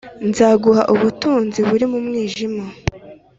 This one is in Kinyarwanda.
Nzaguha ubutunzi p buri mu mwijima